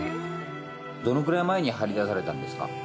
どのぐらい前に貼り出されたんですか？